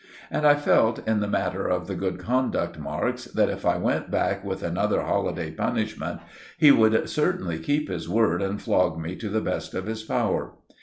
And I felt, in the matter of the good conduct marks, that if I went back with another holiday punishment, he would certainly keep his word and flog me to the best of his power.